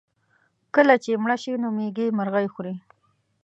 کله چې مړه شي نو مېږي مرغۍ خوري.